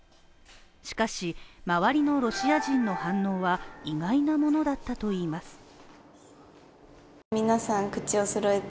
しかし、周りのロシア人の反応は意外なものだったといいます。